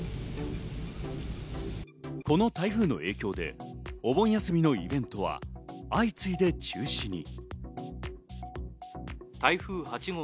この台風の影響でお盆休みのイベントは相次いで中止に。